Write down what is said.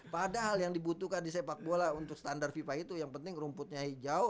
padahal yang dibutuhkan di sepak bola untuk standar fifa itu yang penting rumputnya hijau